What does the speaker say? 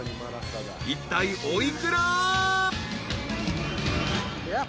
［いったいお幾ら？］